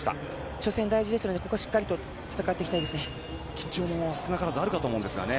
初戦大事ですのでしっかりと戦っていきたいですね。